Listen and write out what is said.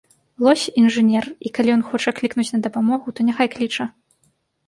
Лось інжынер, і калі ён хоча клікнуць на дапамогу, то няхай кліча.